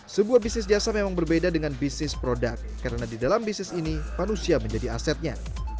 sebuah bisnis jasa memang berbeda dengan bisnis produk karena di dalam bisnis ini manusia menjadi asetnya